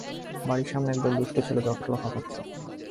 বাড়ির সামনে একদল দুষ্ট ছেলে জটলা পাকাচ্ছে।